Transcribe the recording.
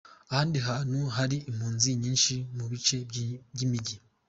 Ahandi hantu hari impunzi nyinshi ni mu bice by’imijyi.